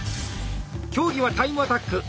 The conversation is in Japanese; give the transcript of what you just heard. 競技はタイムアタック。